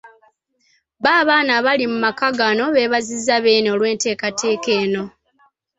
Bo abaana abali mu maka gano beebazizza Beene olw'enteekateeka eno.